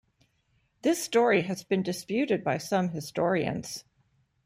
This story has been disputed by some historians.